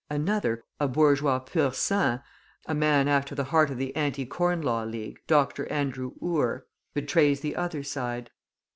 Another, a bourgeois pur sang, a man after the heart of the Anti Corn Law League, Dr. Andrew Ure, betrays the other side.